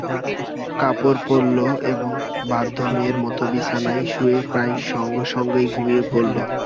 কাপড় পরল এবং বাধ্য মেয়ের মতো বিছানায় শুয়ে প্রায় সঙ্গে-সঙ্গেই ঘুমিয়ে পড়ল।